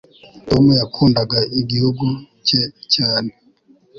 Tom yakundaga igihugu cye cyane